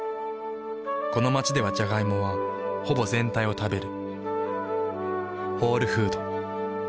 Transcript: この街ではジャガイモはほぼ全体を食べる。